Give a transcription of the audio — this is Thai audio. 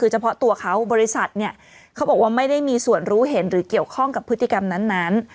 เฉพาะตัวเขาบริษัทเนี่ยเขาบอกว่าไม่ได้มีส่วนรู้เห็นหรือเกี่ยวข้องกับพฤติกรรมนั้น